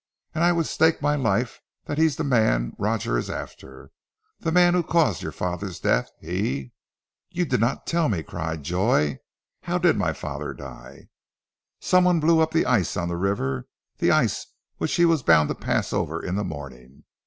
And I would stake my life that he's the man Roger is after, the man who caused your father's death. He " "You did not tell me!" cried Joy. "How did my father die?" "Some one blew up the ice on the river, the ice which he was bound to pass over in the morning.